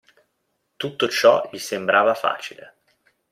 Tutto ciò gli sembrava facile.